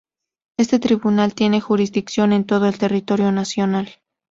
Este tribunal tiene jurisdicción en todo el territorio nacional.